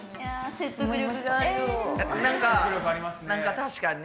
確かにね。